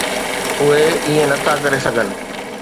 اهي ائين نٿا ڪري سگهن.